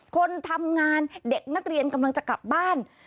คนทำงานเด็กนักเรียนกำลังจะกลับบ้าน